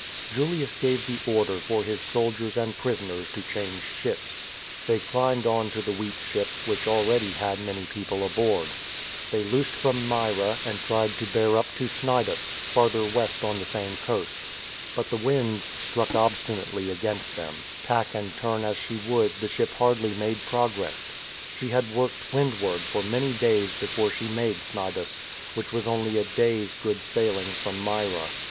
Julius gave the order for his soldiers and prisoners to change ships. They climbed on to the wheat ship, which already had many people aboard. They loosed from Myra and tried to bear up to Cnidus, farther west on the same coast. But the winds stuck obsti nately against them. Tack and turn as she would the ship hardly made progress. She had worked wind ward for many days before she made Cnidus, which was only a day's good sailing from Myra.